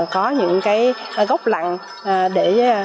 có những gốc lặng để